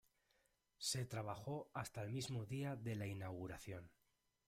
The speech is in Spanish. Se trabajó hasta el mismo día de la inauguración.